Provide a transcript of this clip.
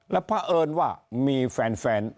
และพระเอิญว่ามีแฟน